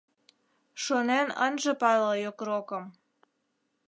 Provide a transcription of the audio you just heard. Шонен ынже пале йокрокым